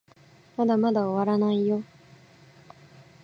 まだまだ終わらないよ